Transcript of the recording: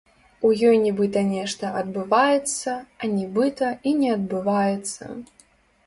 У ёй нібыта нешта адбываецца, а нібыта і не адбываецца.